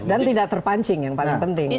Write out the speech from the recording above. dan tidak terpancing yang paling penting